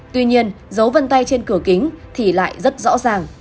tuy nhiên dấu vân tay trên cửa kính thì lại rất rõ ràng